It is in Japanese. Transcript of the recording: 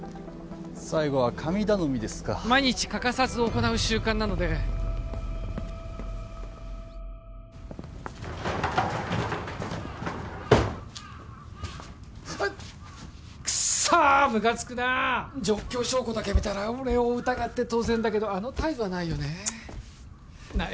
最後は神頼みですか毎日欠かさず行う習慣なのでうっクッソーむかつくな状況証拠だけ見たら俺を疑って当然だけどあの態度はないよねなあ